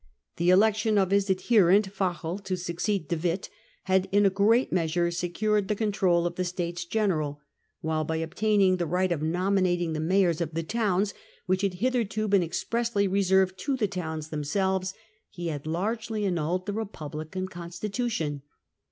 The election of his adhc . rent Fagel to succeed De Witt had in a great His power in °,,,_,„° the measure secured the control of the States Repubhc General ; while, by obtaining the right of nominating the mayors of the towns, which had hitherto been expressly reserved to the towns themselves, he had largely annulled the republican constitution.